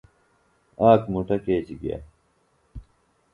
اک مُٹہ کیچیۡ گیہ